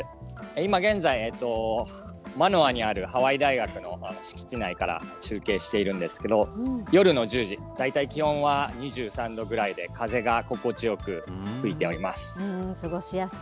今現在、マノアにあるハワイ大学の敷地内から、中継しているんですけど、夜の１０時、大体気温は２３度ぐらいで、風が心地よく吹いております。